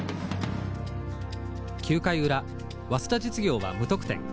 ９回裏早稲田実業は無得点。